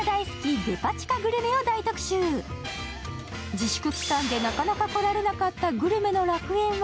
自粛期間でなかなか来られなかったグルメの楽園は